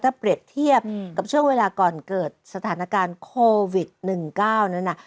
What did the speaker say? ถ้าเปรียบเทียบกับช่วงเวลาก่อนเกิดสถานการณ์โควิด๑๙นั้นน่ะ